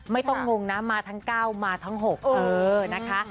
ไม่ต้องงงนะมาทั้ง๙มาทั้ง๖นะคะ